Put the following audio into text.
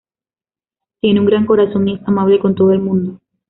Tiene un gran corazón y es amable con todo el mundo.